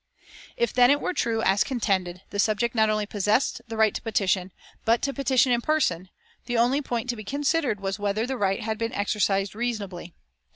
If then it were true, as contended, the subject not only possessed the right to petition, but to petition in person, the only point to be considered was whether the right had been exercised reasonably.